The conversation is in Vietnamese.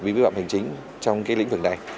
vì vi phạm hành chính trong lĩnh vực này